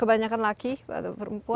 kebanyakan laki atau perempuan